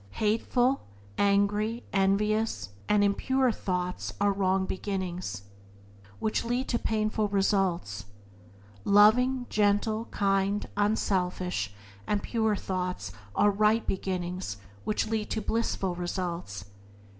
Hateful, angry, envious, covetous, and impure thoughts are wrong beginnings, which lead to painful results. Loving, gentle, kind, unselfish and pure thoughts are right beginnings, which lead to blissful results.